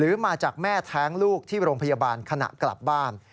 มาจากแม่แท้งลูกที่โรงพยาบาลขณะกลับบ้าน